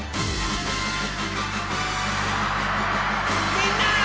みんな！